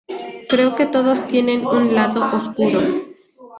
Creo que todos tienen un lado oscuro.